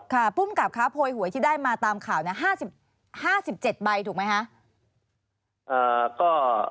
ค่ะคุณพลุงกราบคราโพยหวยที่ได้มาตามข่าวเนี่ย๕๗ใบถูกไหมคะ